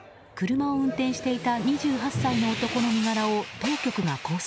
車を運転していた２８歳の男の身柄を当局が拘束。